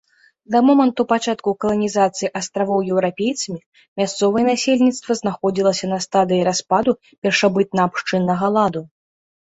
Да моманту пачатку каланізацыі астравоў еўрапейцамі мясцовае насельніцтва знаходзілася на стадыі распаду першабытнаабшчыннага ладу.